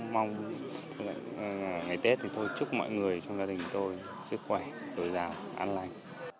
mong ngày tết thì thôi chúc mọi người trong gia đình tôi sức khỏe tối giao an lành